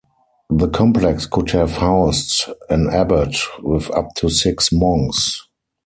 The complex could have housed an abbot with up to six monks.